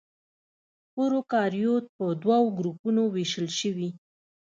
پروکاريوت په دوه ګروپونو وېشل شوي.